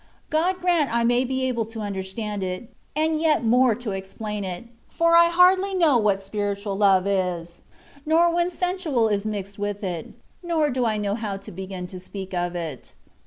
God grant I may be able to understand it, and yet more to explain it, for I hardly know what " spiritual love '^ is, nor when sensual is mixed with it, nor do I know how to begin to speak of it.